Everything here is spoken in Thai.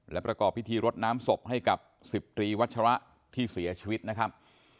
และประกอบพิธีรดน้ำศพให้กับ๑๐ตรีวัชระที่เสียชีวิตนะครับ